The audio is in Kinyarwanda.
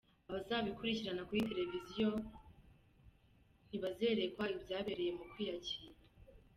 Abazabikurikirana kuri televiziyo ntibazerekwa ibyabereye mu kwiyakira.